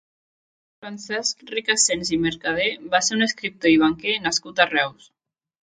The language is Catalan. Francesc Recasens i Mercadé va ser un escriptor i banquer nascut a Reus.